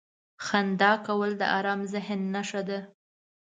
• خندا کول د ارام ذهن نښه ده.